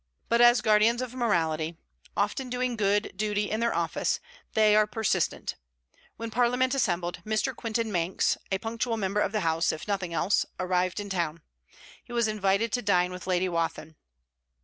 But as guardians of morality, often doing good duty in their office, they are persistent. When Parliament assembled, Mr. Quintin Manx, a punctual member of the House, if nothing else, arrived in town. He was invited to dine with Lady Wathin.